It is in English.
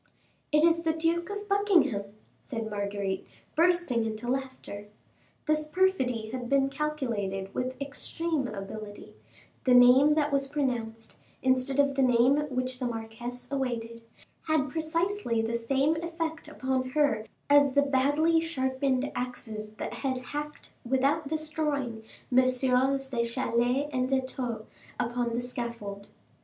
"It is the Duke of Buckingham," said Marguerite, bursting into laughter. This perfidy had been calculated with extreme ability; the name that was pronounced, instead of the name which the marquise awaited, had precisely the same effect upon her as the badly sharpened axes, that had hacked, without destroying, Messieurs de Chalais and de Thou upon the scaffold.